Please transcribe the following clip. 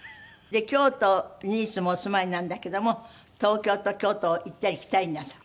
京都にいつもお住まいなんだけども東京と京都を行ったり来たりなさる。